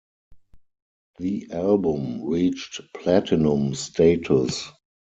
The album reached platinum status.